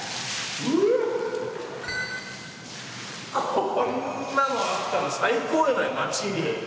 こんなのあったら最高やな町に。